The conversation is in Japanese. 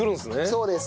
そうです。